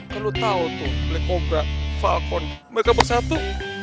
kalo lo tau tuh black cobra falcon mereka bersatu